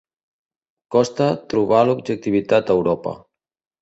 Costa trobar l'objectivitat a Europa.